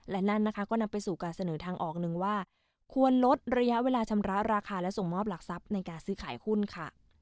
และนั่นนะคะก็นำไปสู่การเสนอทางออกหนึ่งว่าควรลดระยะเวลาชำระราคาและส่งมอบหลักทรัพย์ในการซื้อขายหุ้นค่ะ